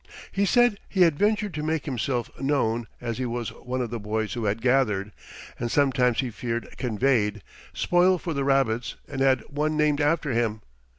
He said he had ventured to make himself known as he was one of the boys who had gathered, and sometimes he feared "conveyed," spoil for the rabbits, and had "one named after him."